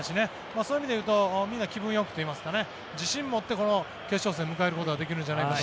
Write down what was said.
そういう意味で言うとみんな気分よくというか自身を持ってこの決勝戦を迎えることができるんじゃないかと。